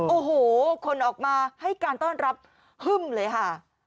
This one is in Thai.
โอ้โหคนออกมาให้การต้อนรับฮึ่มเลยค่ะ